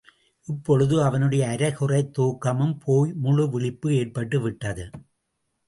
இப்பொழுது அவனுடைய அரைகுறைத் தூக்கமும் போய் முழு விழிப்பு ஏற்பட்டு விட்டது.